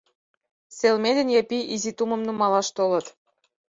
Селмей ден Япий изи тумым нумалаш толыт.